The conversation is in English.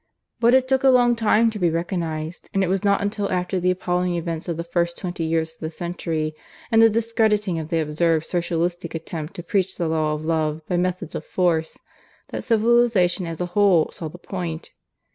But it took a long time to be recognized; and it was not until after the appalling events of the first twenty years of the century, and the discrediting of the absurd Socialistic attempt to preach the Law of Love by methods of Force, that civilization as a whole saw the point.